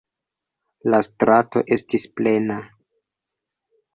La strato estis plena.